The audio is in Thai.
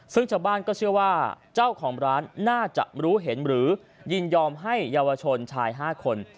ซึ่งชาวบ้านก็เชื่อว่าเจ้าของร้านน่าจะรู้เห็นหรือยินยอมให้เยาวชนชาย๕คน